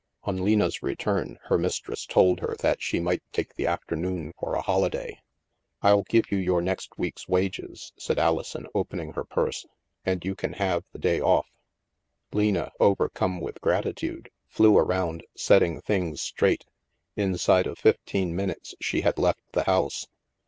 On Lena's return, her mistress told her that she might take the afternoon for a holiday. THE MAELSTROM 261 " I'll give you your next week's wages," said Alison, opening her purse, " and you can have the day off/' Lena, overcome with gratitude, flew around set ting things straight. Inside of fifteen minutes, she had left the house.